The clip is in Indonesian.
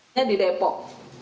nya di depok